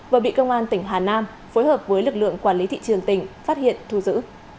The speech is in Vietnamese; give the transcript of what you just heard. vừa bị công an tỉnh hà nam phối hợp với lực lượng quản lý thị trường tỉnh phát hiện thu giữ